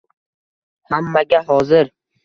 Hammaga hozir